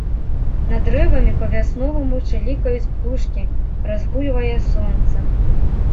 Над дрэвамі па-вясноваму чылікаюць птушкі, разгульвае сонца.